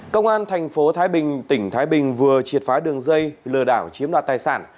công an thành phố thái bình tỉnh thái bình vừa triệt phá đường dây lừa đảo chiếm đoạt tài sản